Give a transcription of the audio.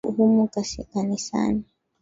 Humu Kanisani.